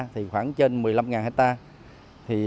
thì khoảng trên một mươi năm ha